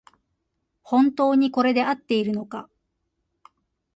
本当にこれであっているのか